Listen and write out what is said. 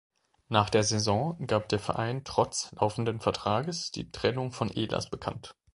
Nach der Saison gab der Verein trotz laufenden Vertrages die Trennung von Ehlers bekannt.